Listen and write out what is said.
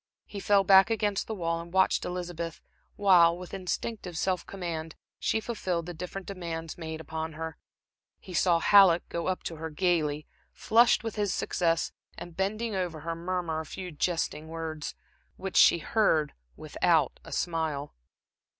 He fell back against the wall, and watched Elizabeth while, with instinctive self command, she fulfilled the different demands made upon her. He saw Halleck go up to her gaily, flushed with his success, and bending over her, murmur a few jesting words, which she heard without a smile.